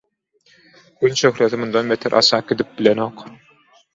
Gün şöhlesi mundan beter aşak gidip bilenok.